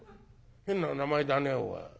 変な名前だねおい。